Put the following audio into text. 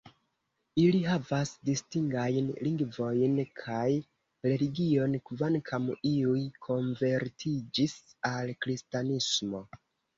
Ili havas distingajn lingvon kaj religion, kvankam iuj konvertiĝis al Kristanismo.